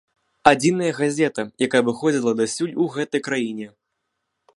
Адзіная газета, якая выходзіла дасюль у гэтай краіне.